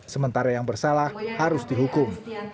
sementara yang bersalah harus dihukum